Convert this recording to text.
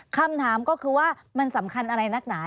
คำถามก็คือว่ามันสำคัญอะไรนักหนา